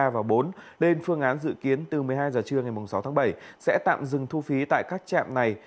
ba và bốn lên phương án dự kiến từ một mươi hai h trưa ngày sáu tháng bảy sẽ tạm dừng thu phí tại các trạm này